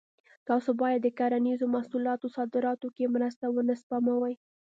تاسو باید د کرنیزو محصولاتو صادراتو کې مرسته ونه سپموئ.